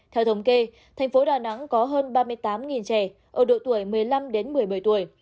theo thống kê tp hcm có hơn ba mươi tám trẻ ở độ tuổi một mươi năm đến một mươi bảy tuổi